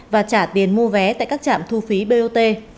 và trả tiền mua vé tại các trạm thu phí bot